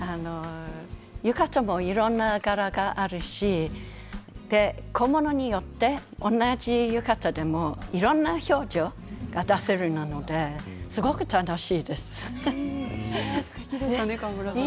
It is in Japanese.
浴衣もいろんな柄があるし小物によって同じ浴衣でもいろんな表情を出せるのですてきでしたね。